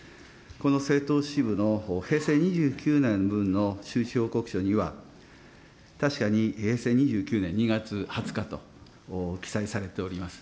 この政党支部の平成２９年分の収支報告書には、確かに平成２９年２月２０日と記載されております。